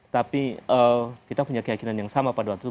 tapi kita punya keyakinan yang sama pada waktu itu